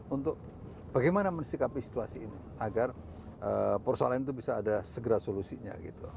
untuk bagaimana mensikapi situasi ini agar persoalan itu bisa ada segera solusinya